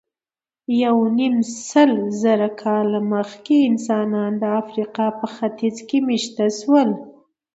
یونیمسلزره کاله مخکې انسانان د افریقا په ختیځ کې مېشته شول.